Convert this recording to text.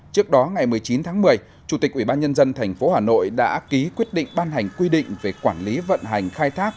trước đó ngày một mươi chín tháng một mươi chủ tịch ubnd tp hà nội đã ký quyết định ban hành quy định về quản lý vận hành khai thác